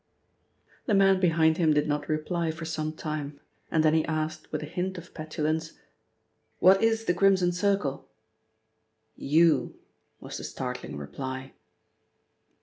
The man behind him did not reply for some time, and then he asked with a hint of petulance; "What is the Crimson Circle?" "You," was the startling reply.